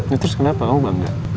ya terus kenapa kamu bangga